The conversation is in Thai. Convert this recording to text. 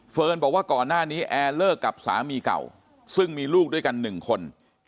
บอกว่าก่อนหน้านี้แอร์เลิกกับสามีเก่าซึ่งมีลูกด้วยกัน๑คน